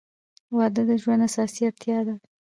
• واده د ژوند اساسي اړتیا ده.